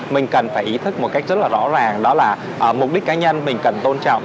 mình cần phải ý thức một cách rất là rõ ràng đó là mục đích cá nhân mình cần tôn trọng